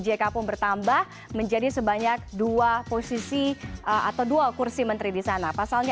jk pun bertambah menjadi sebanyak dua posisi atau dua kursi menteri di sana pasalnya